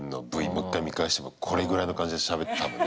もう１回、見返してもこれぐらいの感じでしゃべってる多分ね。